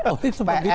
oleh sebab itu